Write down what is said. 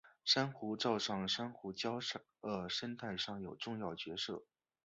珊瑚藻在珊瑚礁的生态上有重要角色。